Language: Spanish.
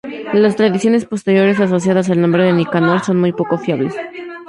Las tradiciones posteriores asociadas al nombre de Nicanor son muy poco fiables.